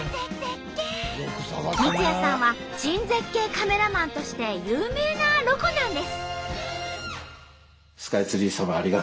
三矢さんは珍絶景カメラマンとして有名なロコなんです。